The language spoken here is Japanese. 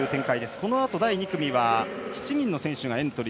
このあと第２組は７人の選手がエントリー。